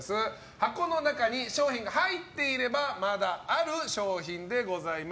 箱の中に商品が入っていればまだある商品です。